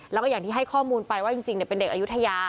แล้วก็อย่างที่ให้ข้อมูลไปว่าจริงเป็นเด็กอายุทยา